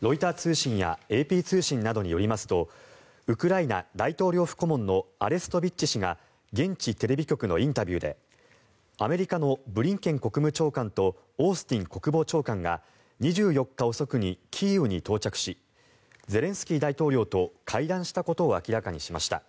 ロイター通信やＡＰ通信などによりますとウクライナ大統領府顧問のアレストビッチ氏が現地テレビ局のインタビューでアメリカのブリンケン国務長官とオースティン国防長官が２４日遅くにキーウに到着しゼレンスキー大統領と会談したことを明らかにしました。